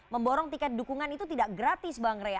memborong tiket dukungan itu tidak gratis bang rey